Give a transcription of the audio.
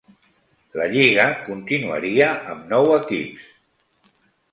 La lliga continuaria amb nou equips.